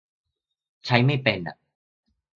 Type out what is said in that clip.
ใช้ไม่เป็นอ่ะ